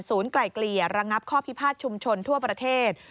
ไกล่เกลี่ยระงับข้อพิพาทชุมชนทั่วประเทศ